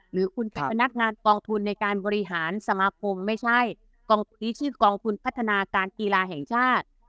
หรือคุณเป็นพนักงานกองทุนในการบริหารสมาคมไม่ใช่ชื่อกองทุนพัฒนาการกีฬาแห่งชาติ